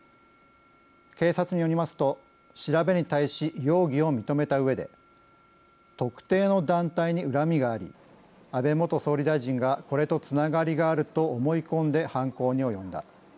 警察によりますと調べに対し容疑を認めたうえで特定の団体にうらみがあり安倍元総理大臣がこれとつながりがあると思い込んで犯行に及んだ。